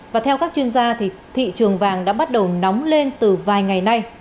và theo các chuyên gia thì thị trường vàng đã bắt đầu nóng lên từ vài ngày nay